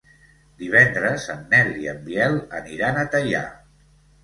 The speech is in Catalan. Divendres en Nel i en Biel aniran a Teià.